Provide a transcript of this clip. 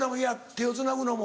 手をつなぐのも。